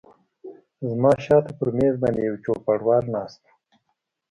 زما شاته پر مېز باندې یو چوپړوال ناست و.